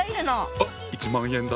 あっ一万円だ。